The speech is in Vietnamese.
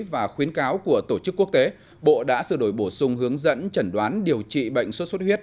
và khuyến cáo của tổ chức quốc tế bộ đã sửa đổi bổ sung hướng dẫn chẩn đoán điều trị bệnh xuất xuất huyết